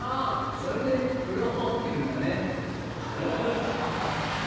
それでフロウって言うんだね。